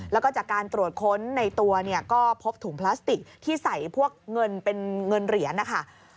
แล้วก็จากการตรวจค้นในตัวเนี่ยก็พบถุงพลาสติกที่ใส่พวกเงินเป็นเงินเหรียญนะคะ